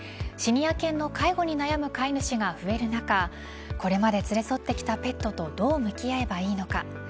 シニア犬の介護に悩む飼い主が増える中これまで連れ添ってきたペットとどう向き合えばいいのか。